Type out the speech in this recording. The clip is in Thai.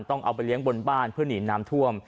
ต้องเอาไปเลี้ยงบนบ้านเพื่อหนีน้ำท่วม